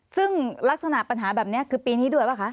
ซึ่งลักษณะปัญหาแบบนี้คือปีนี้ด้วยป่ะคะ